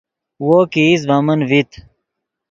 وو کہ ایست ڤے من ڤیت